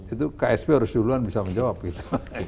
itu ksp harus duluan bisa menjawab gitu